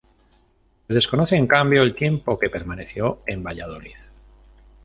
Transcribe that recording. Se desconoce en cambio el tiempo que permaneció en Valladolid.